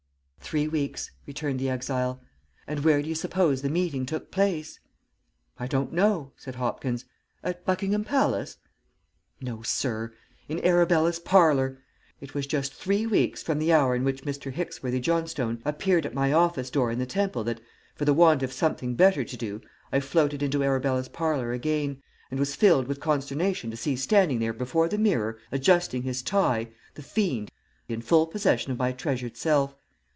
"Three weeks," returned the exile. "And where do you suppose the meeting took place?" "I don't know," said Hopkins. "At Buckingham Palace?" "No, sir. In Arabella's parlour! It was just three weeks from the hour in which Mr. Hicksworthy Johnstone appeared at my office door in the Temple that, for the want of something better to do, I floated into Arabella's parlour again, and was filled with consternation to see standing there before the mirror, adjusting his tie, the fiend in full possession of my treasured self.